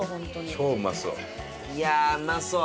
超うまそう。